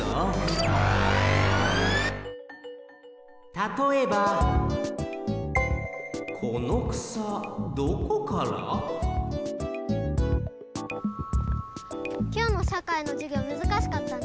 たとえばきょうのしゃかいのじゅぎょうむずかしかったね。